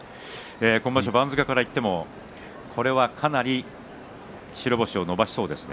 今場所、番付からいってもこれはかなり白星を伸ばしそうですね。